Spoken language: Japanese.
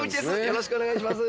よろしくお願いします。